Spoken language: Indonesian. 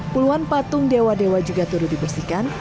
puluhan patung dewa dewa juga turut dibersihkan